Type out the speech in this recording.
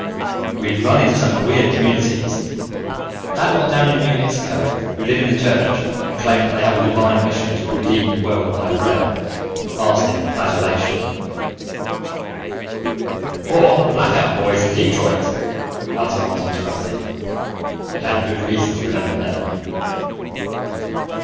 "We've run into some weird communities that lot down in New Mexico who live in the church and claim that they have a divine mission to redeem the world by prayer, fasting, and flagellation. "Or those yogis in Los Angeles " "Or the Blackout Boys in Detroit!" Altamont interrupted. He had good reason to remember them.